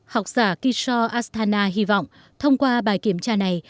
học giả kishore asthana hy vọng thông qua bài kiểm tra này